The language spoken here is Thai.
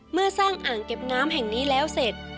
เมื่อสร้างอ่างเก็บน้ำแห่งนี้แล้วเสร็จ